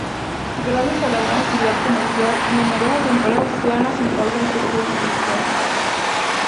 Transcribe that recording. Gracias a la gran actividad comercial, numerosas empresas se han asentado en su jurisdicción.